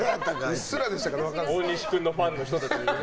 大西君のファンの人たちに。